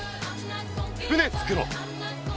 船つくろう。